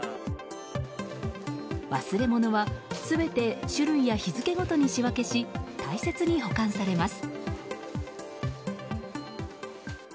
忘れ物は、全て種類や日付ごとに仕分けし大切に保管されます。